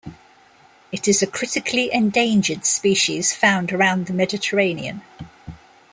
It is a Critically Endangered species found around the Mediterranean.